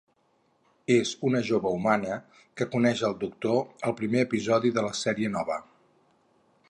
És una jove humana que coneix el Doctor al primer episodi de la sèrie nova.